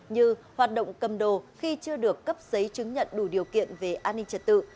như hoạt động cầm đồ khi chưa được cấp giấy chứng nhận đủ điều kiện về an ninh trật tự